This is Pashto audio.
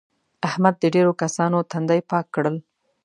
احمد د ډېرو کسانو تندي پاک کړل.